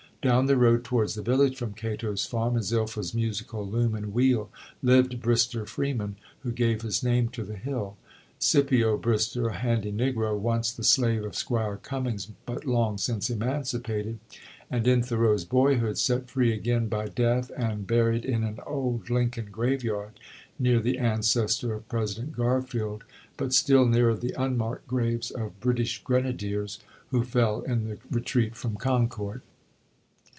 Down the road towards the village from Cato's farm and Zilpha's musical loom and wheel, lived Brister Freeman, who gave his name to the hill, Scipio Brister, "a handy negro," once the slave of 'Squire Cummings, but long since emancipated, and in Thoreau's boyhood set free again by death, and buried in an old Lincoln graveyard, near the ancestor of President Garfield, but still nearer the unmarked graves of British grenadiers, who fell in the retreat from Concord.